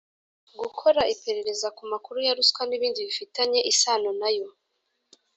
gukora iperereza ku makuru ya ruswa n’ibindi bifitanye isano nayo,